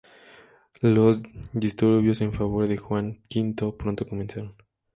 Los disturbios en favor de Juan V pronto comenzaron.